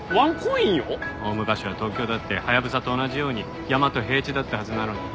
大昔は東京だってハヤブサと同じように山と平地だったはずなのに。